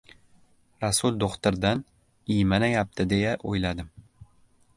Rasul do‘xtirdan iymanayapti, deya o‘yladim.